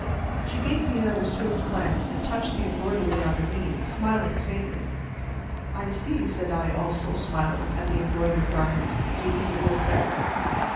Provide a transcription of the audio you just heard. She gave me another swift glance and touched the embroidery on her knee, smiling faintly. "I see," said I, also smiling at the embroidered garment. "Do you think it will fit?"